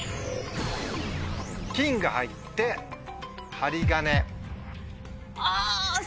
「金」が入って「針金」。